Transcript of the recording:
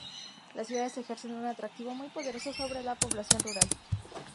Las ciudades ejercen un atractivo muy poderoso sobre la población rural.